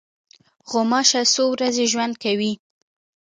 غوماشه څو ورځې ژوند کوي.